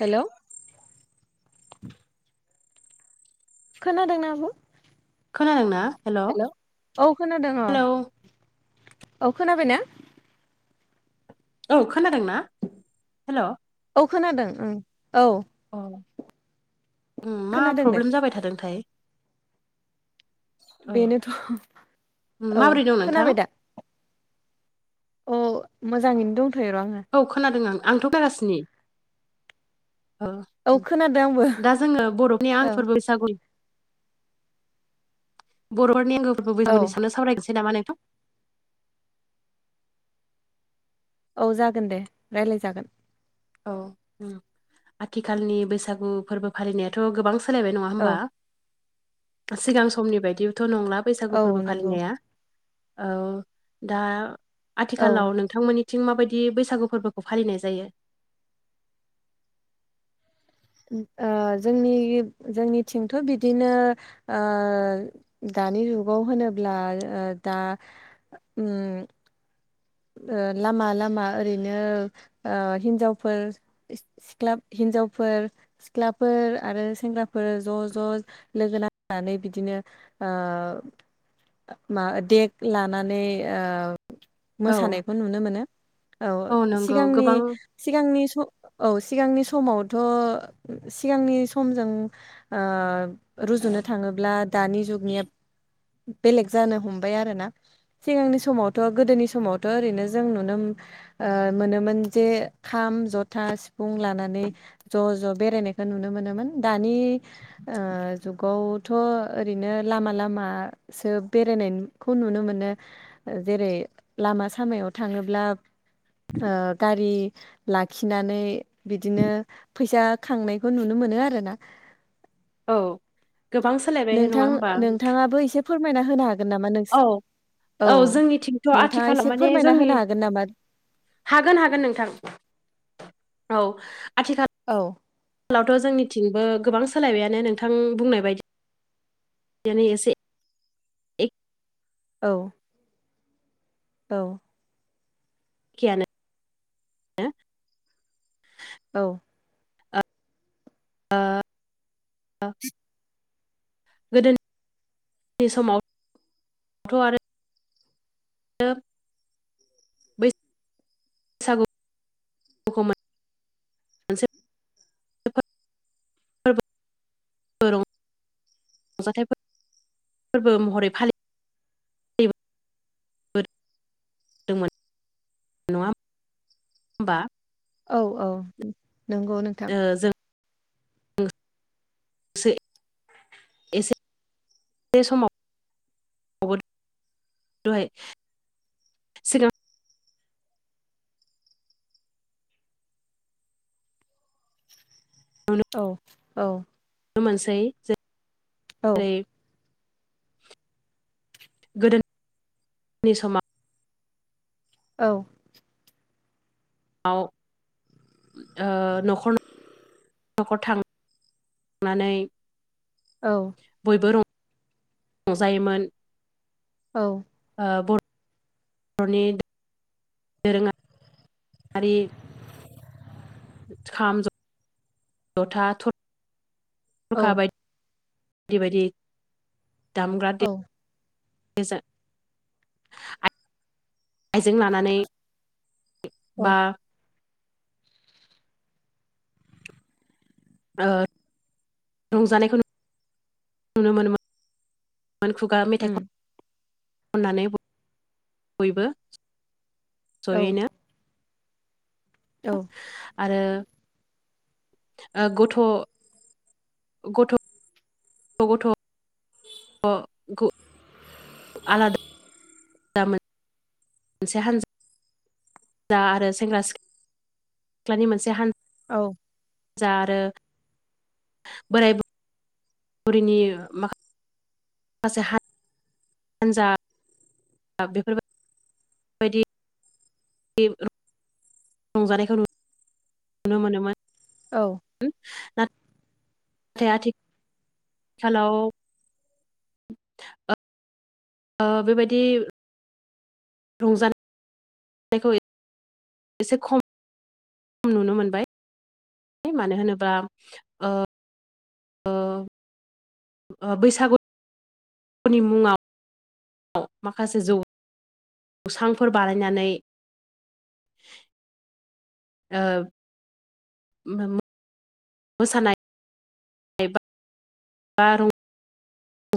Hello खोनादोंना आब'? खोनादों ना? हेलौ औ खोनादों औ औ खोनाबाय ना? औ खोनादोंना हेलौ? औ खोनादों ओं औ। अ उम मा खोनादों दे प्रब्लेम जाबाय थादोंथाय। औ बेनोथ' उम, औ माबोरै दं नोंथां खोनाबाय दा? अ मोजाङैनो दंथ'योर' आङो। औ खोनादों आं आंथ' गारासिनि। औ खोनादों आंबो दा जोङो बर'फनि औ आंफोर बैसागु बर'फोरनि आंगो फोरबो औ बैसागुनि सायाव सावरायनोसै नामा नोंथां? औ जागोन दे रायलाय जागोन। औ आथिखालनि बैसागु फोरबो फालिनायाथ' गोबां सोलायबाय नङा औ होमबा? सिगां समनि बायदिबोथ' नंला बैसागु औ फोरबो नंगौ फालिनाया। औ दा औ आथिखालाव नों नोंथांमोननिथिं माबायदि बैसागु फोरबोखौ फालिनाय जायो। ओ जोंनि जोंनिथिंथ' बिदिनो ओ दानि जुगाव होनोब्ला दा उम लामा लामा ओरैनो ओ हिन्जावफोर सिख्ला हिनजावफोर सिख्लाफोर आरो सेंग्राफोर ज' ज' लोगो नांनानै बिदिनो ओ मा देक लानानै औ मोसानायखौ नुनो मोनो औ नंगौ सिगांनि गोबां सिगांनि सम औ सिगांनि समावथ' सिगांनि समजों ओ रुजुनो थांङोब्ला दानि जुगनिया बेलेग जानो हमबाय आरो ना सिगांनि समावथ' गोदोनि सम मावथ' ओरैनो जों नुनो मोनोमोन जे खाम, जथा, सिफुं, लानानै ज' ज' बेरायनायखौ नुनो मोनोमोन दानि जुगावथ' ओरैनो लामा लामा सो बेरायनायखौ नुनो मोनो जेरै लामा सामायाव थांङोब्ला ओ गारि लाखिनानै बिदिनो फैसा खांनायखौ नुनो मोनो आरोना औ गोबां सोलायबाय नङा नोंथां होमबा नोंथांङाबो एसे फोरमायना होनो हागोन नामा औ नोंसि औ जोंनिथिंथ' नोंथाङा आथिखालाव एसे माने फोरमायना जोंनि होनो हागोन नामा? हागोन हागोन नोंथां औ आथिखा औ आथिखालावथ' जोंनिथिंबो गोबां सोलायबायानो नोंथां बुंनाय बायदि [unintelligible] [unintelligible] औ औ खेयानो औ [unintelligible] गोदोनि समावथ' आरो [unintelligible] बैसागुखौ [unintelligible] फोरबो रंजाथाइ फोरबो महरै फालि [unintelligible] नंङा ओमबा औ औ नंगौ नोंथां ओ जों से [unintelligible] बे समाव [unintelligible] औ औ नुनो मोनसै औ जेरै गोदोनि सम औ आव ओ न'खर न' खर थांनानै औ। बयबो रंजायोमोन। औ ओ बर'नि दोरोङारि खाम जथा औ थरखा बायदि बायदि बायदि दामग्रा देग्रा आइजें लानानै औ बा ओ रंजानायखौ नुनो मोनोमोन। मोन खुगा मेथाइ उम खननानै बयबो औ जयैनो औ। आरो गथ' गथ' गथ' ग' आलादा मोनसे हान्जा जा आरो सेंग्रा सिख्लानि मोनसे हानजा औ। जा आरो बोराय बुरिनि माखासे हानजा हानजा बेफोरबायदि रंजानायखौ नुनो मोनोमोन। औ। नाथाय आथिखालाव ओ बेबायदि रंजानायखौ एसे खम खम नुनो मोनबाय। मानो होनोबा ओ ओ ओ बैसागु नि मुङाव माखासे जौ सांफोर बानायनानै ओ मोसानाय बा